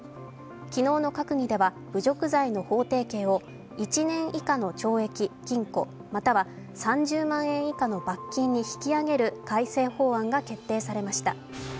昨日の閣議では侮辱罪の法定刑を１年以下の懲役、禁錮、または３０万円以下の罰金に引き上げる改正法案が決定されました。